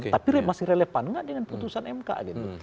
tapi masih relevan nggak dengan putusan mk gitu